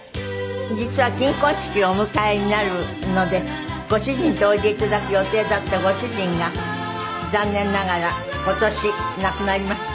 実は金婚式をお迎えになるのでご主人とおいでいただく予定だったご主人が残念ながら今年亡くなりました。